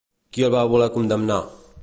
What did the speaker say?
Qui el va voler condemnar?